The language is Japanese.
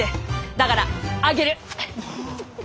だからあげる！